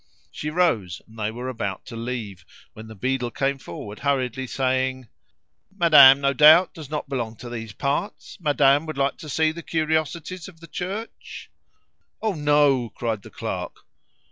She rose, and they were about to leave, when the beadle came forward, hurriedly saying "Madame, no doubt, does not belong to these parts? Madame would like to see the curiosities of the church?" "Oh, no!" cried the clerk.